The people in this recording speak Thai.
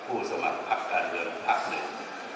ผู้สมัครภักดิ์การเรือนภักดิ์หนึ่ง